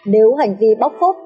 nếu hành vi bóc khốt